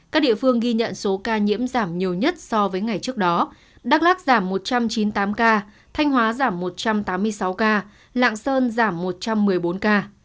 các địa phương ghi nhận số ca nhiễm giảm nhiều nhất so với ngày trước đó đắk lắc giảm một trăm chín mươi tám ca thanh hóa giảm một trăm tám mươi sáu ca lạng sơn giảm một trăm một mươi bốn ca